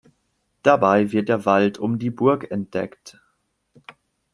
Dabei wird der Wald um die Burg entdeckt.